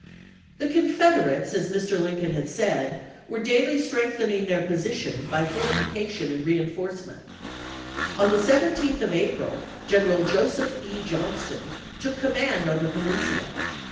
YOKKTOWN 371 The Confederates, as Mr. Lincoln had said, chap. xx. were daily strengthening their position by fortifi cation and reenforcement. On the 17th of April, 1862. G eneral Joseph E. Johnston took command on the Peninsula.